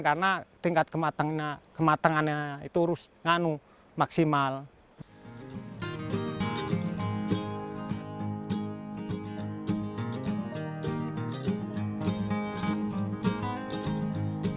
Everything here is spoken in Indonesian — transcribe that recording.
karena lebih enak dari yang mesin karena ini memang berat dan itu juga cukup babak yang lainnya